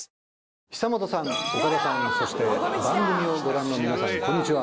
久本さん岡田さんそして番組をご覧の皆さんこんにちは。